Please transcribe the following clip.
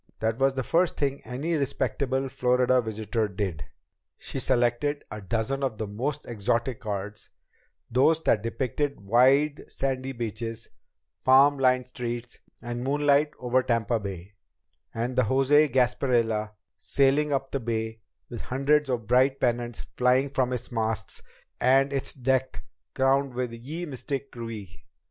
That was the first thing any respectable Florida visitor did! She selected a dozen of the most exotic cards, those that depicted wide sandy beaches, palm lined streets, the moonlight over Tampa Bay, and the José Gasparilla sailing up the Bay with hundreds of bright pennants flying from its masts and its deck crowded with Ye Mystic Krewe.